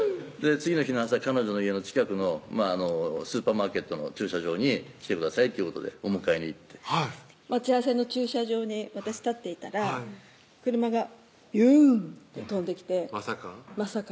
次の日の朝彼女の家の近くのスーパーマーケットの駐車場に来てくださいということでお迎えに行って待ち合わせの駐車場に私立っていたら車がビューンって飛んできてまさか